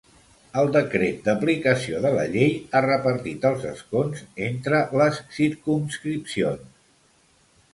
El decret d'aplicació de la llei ha repartit els escons entre les circumscripcions.